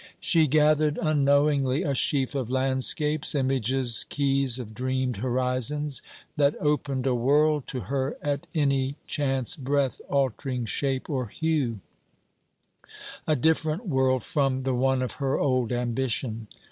She gathered unknowingly a sheaf of landscapes, images, keys of dreamed horizons, that opened a world to her at any chance breath altering shape or hue: a different world from the one of her old ambition.